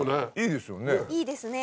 いいですね